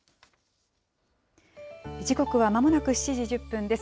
時刻はまもなく７時１０分です。